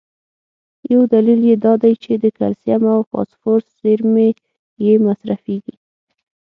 یو دلیل یې دا دی چې د کلسیم او فاسفورس زیرمي یې مصرفېږي.